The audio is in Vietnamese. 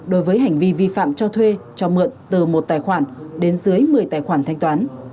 đối với hành vi vi phạm cho thuê cho mượn từ một tài khoản đến dưới một mươi tài khoản thanh toán